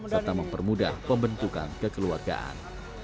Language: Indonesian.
serta mempermudah pembentukan kekeluargaan